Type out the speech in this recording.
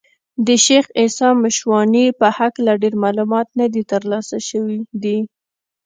د شېخ عیسي مشواڼي په هکله ډېر معلومات نه دي تر لاسه سوي دي.